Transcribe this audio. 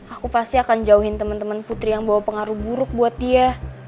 aku pasti akan jauhin teman teman putri yang bawa pengaruh buruk buat dia